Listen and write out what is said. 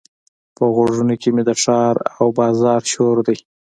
په غوږونو کې مې د ښار او بازار شور دی.